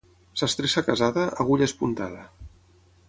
Sastressa casada, agulla espuntada.